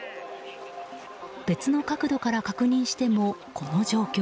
別の角度から確認してもこの状況。